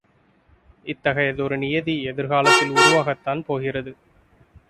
இத்தகையதொரு நியதி எதிர்காலத்தில் உருவாகத்தான் போகிறது.